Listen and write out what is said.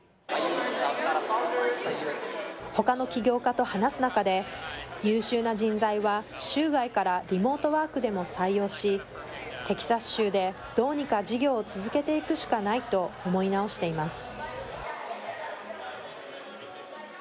ほかの起業家と話す中で、優秀な人材は州外からリモートワークでも採用し、テキサス州でどうにか事業を続けていくしかないと、思い直しています。